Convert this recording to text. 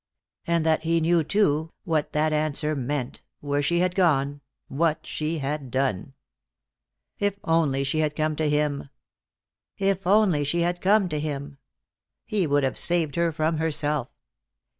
And that he knew, too, what that answer meant, where she had gone, what she had done. If only she had come to him. If only she had come to him. He would have saved her from herself.